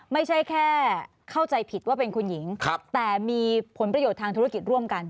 ไม่ใช่แค่เข้าใจผิดว่าเป็นคุณหญิงแต่มีผลประโยชน์ทางธุรกิจร่วมกัน